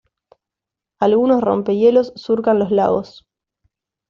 Algunos rompehielos surcan los lagos.